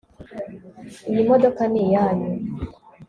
Iyi modoka ni iyanyu